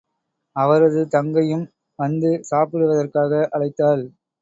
அவரது தங்கையும் வந்து சாப்பிடுவதற்காக அழைத்தாள்.